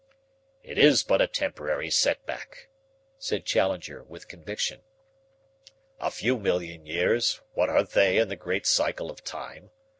"It is but a temporary setback," said Challenger with conviction. "A few million years, what are they in the great cycle of time?